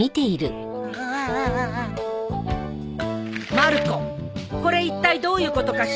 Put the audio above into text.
まる子これいったいどういうことかしら？